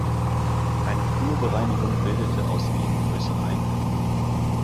Eine Flurbereinigung bildete aus ihnen größere Einheiten.